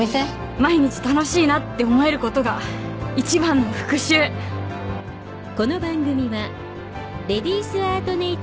毎日楽しいなって思えることが一番の復讐オッシュ！